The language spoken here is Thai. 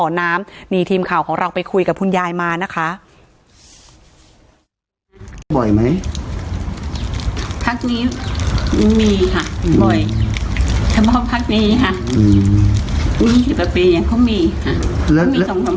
บ่อยไหมพักนี้มีค่ะบ่อยถ้าบอกพักนี้ค่ะอืมอืมสิบปีอย่างเขามีค่ะเขามีสองสามบันเนี้ย